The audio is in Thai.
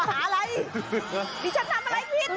นี่ฉันทำอะไรผิด